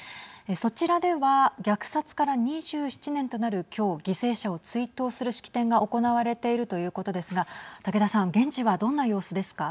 そちらでは虐殺から２７年となるきょう犠牲者を追悼する式典が行われているということですが竹田さん現地はどんな様子ですか。